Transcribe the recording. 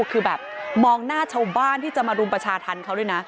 คือแบบมองหน้าชาวบ้านที่จะมารุมประชาธรรมเขาด้วยนะ